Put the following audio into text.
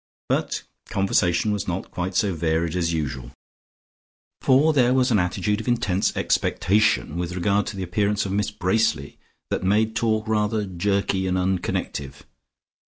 But conversation was not quite so varied as usual, for there was an attitude of intense expectation about with regard to the appearance of Miss Bracely, that made talk rather jerky and unconnective.